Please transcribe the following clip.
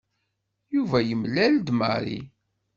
Yuba yemlal-d Mary.